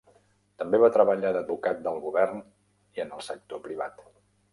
També va treballar d'advocat del govern i en el sector privat.